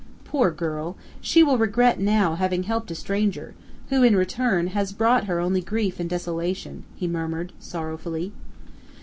"Poor girl! She will regret now having helped a stranger, who, in return, has brought her only grief and desolation," he murmured, sorrowfully.